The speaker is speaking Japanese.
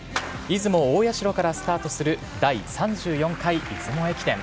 出雲大社からスタートする第３４回出雲駅伝。